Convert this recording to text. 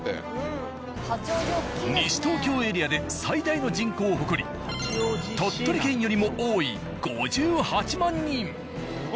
西東京エリアで最大の人口を誇り鳥取県よりも多い５８万人。